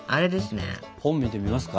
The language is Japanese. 本見てみますか？